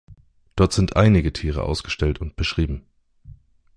Dort sind einige Tiere ausgestellt und beschrieben.